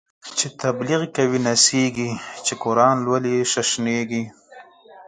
چی تبلیغ کوی نڅیږی، چی قران لولی ششنیږی